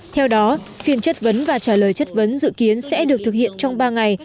theo đó phiên chất vấn và trả lời chất vấn dự kiến sẽ được thực hiện trong ba ngày